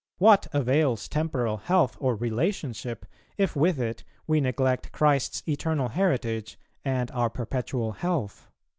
... What avails temporal health or relationship, if with it we neglect Christ's eternal heritage and our perpetual health?"